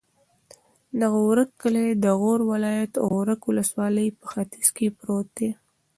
د غورک کلی د غور ولایت، غورک ولسوالي په ختیځ کې پروت دی.